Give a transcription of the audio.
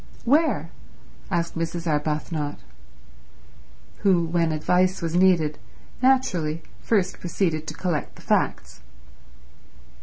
"Where?" asked Mrs. Arbuthnot, who, when advice was needed, naturally first proceeded to collect the facts.